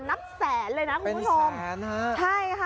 นับแสนเลยนะคุณผู้ชมเป็นแสนฮะ